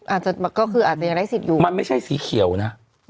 อาจจะก็คืออาจจะยังได้สิทธิ์อยู่มันไม่ใช่สีเขียวนะ